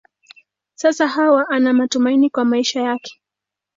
Sasa Hawa ana matumaini kwa maisha yake.